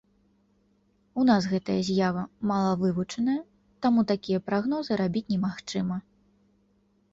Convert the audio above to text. У нас гэтая з'ява малавывучаная, таму такія прагнозы рабіць немагчыма.